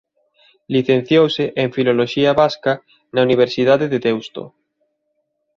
Licenciouse en Filoloxía vasca na Universidade de Deusto.